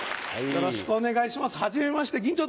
よろしくお願いします